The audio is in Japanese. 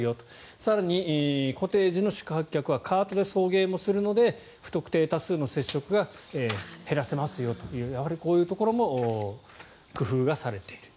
更にコテージの宿泊客はカートで送迎もするので不特定多数の接触が減らせますよというこういうところも工夫がされている。